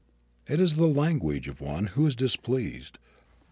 It is the language of one who is displeased.